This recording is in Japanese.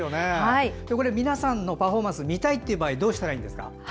皆さんのパフォーマンスを見たい場合どうすればいいですか。